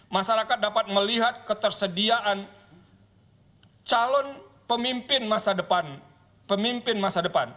masyarakat dapat melihat ketersediaan calon pemimpin masa depan